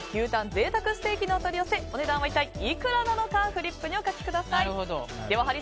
贅沢ステーキのお取り寄せお値段は一体いくらなのかフリップにお書きください。